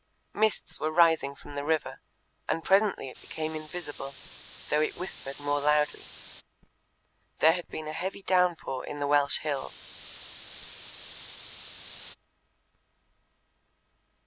Mists were rising from the river, and presently it became invisible, though it whispered more loudly. There had been a heavy downpour in the Welsh hills.